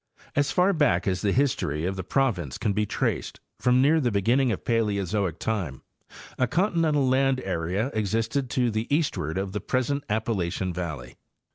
As far back as the history of the proy ince can be traced, from near the beginning of Paleozoic time, a continental land area existed to the eastward of the present Appalachian valley.